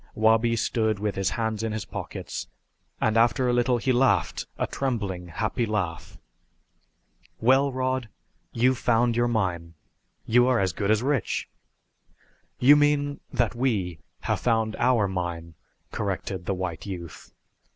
Wabi stood with his hands in his pockets, and after a little he laughed a trembling, happy laugh. "Well, Rod, you've found your mine. You are as good as rich!" "You mean that we have found our mine," corrected the white youth.